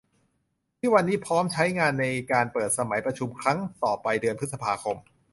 ที่วันนี้พร้อมใช้งานในการเปิดสมัยประชุมครั้งต่อไปเดือนพฤษภาคม